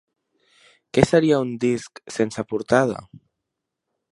Què seria un disc sense portada?